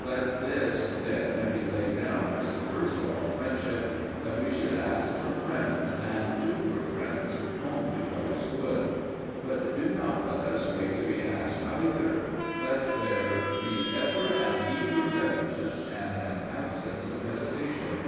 Let this, then, be laid down as the first law of friendship, that we should ask from friends, and do for friends', only what is good. But do not let us wait to be asked either: let there be ever an eager readiness, and an absence of hesitation.